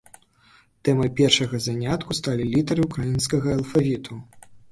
Тэмай першага занятку сталі літары ўкраінскага алфавіту.